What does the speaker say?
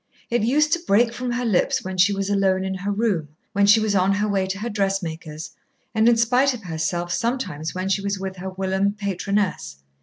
It used to break from her lips when she was alone in her room, when she was on her way to her dressmaker's, and in spite of herself, sometimes when she was with her whilom patroness.